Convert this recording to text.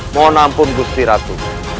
mohon ampun gus piratu